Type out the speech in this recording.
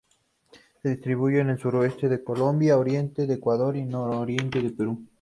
Se distribuye en el sureste de Colombia, oriente de Ecuador y nororiente de Perú.